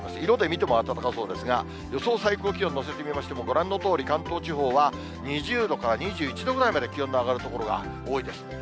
色で見ても暖かそうですが、予想最高気温、乗せてみましても、ご覧のとおり、関東地方は２０度から２１度ぐらいまで気温の上がる所が多いです。